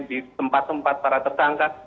di tempat tempat para tersangka